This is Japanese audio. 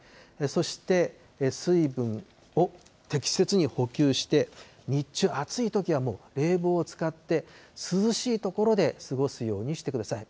そして水分を適切に補給して、日中、暑いときはもう冷房を使って、涼しい所で過ごすようにしてください。